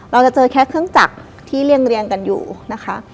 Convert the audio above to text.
เราจะเจอแค่เครื่องจักรที่เรียงกันอยู่นะคะ